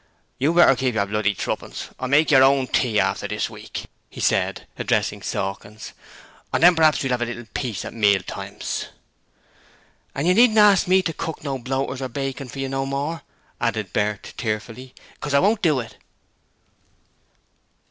'You'd better keep your bloody thruppence and make your own tea after this week,' he said, addressing Sawkins, 'and then p'raps we'll 'ave a little peace at meal times.' 'An' you needn't ask me to cook no bloaters or bacon for you no more,' added Bert, tearfully, 'cos I won't do it.'